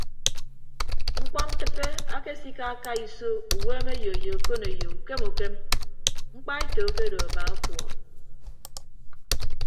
Mkpọntịppe akesikaaka iso uweemeyo ye okoneyo ukem ukem mkpaeto akedo aba ọkuọọk.